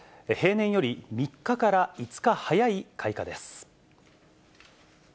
平年より３日から５日早い開花です。